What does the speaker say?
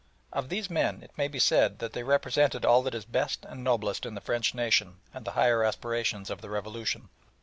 Of these men it may be said that they represented all that is best and noblest in the French nation and the higher aspirations of the revolution.